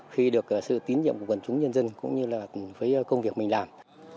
khi được sự tín nhiệm của quần chúng nhân dân cũng như là với công việc mình làm